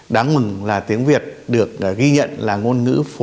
đáng mừng là tiếng việt được ghi nhận là ngôn ngữ văn hóa